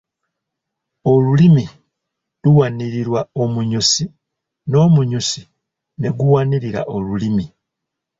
Olulimi luwanirirwa omunyusi n’omunyusi ne guwanirira olulimi.